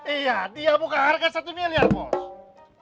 iya dia buka harga satu miliar bos